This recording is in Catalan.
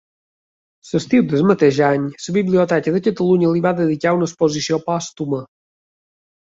L'estiu del mateix any la Biblioteca de Catalunya li va dedicar una exposició pòstuma.